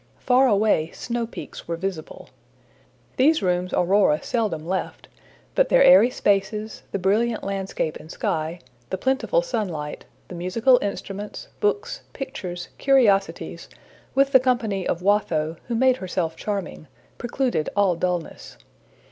Far away snowpeaks were visible. These rooms Aurora seldom left, but their airy spaces, the brilliant landscape and sky, the plentiful sunlight, the musical instruments, books, pictures, curiosities, with the company of Watho, who made herself charming, precluded all dullness.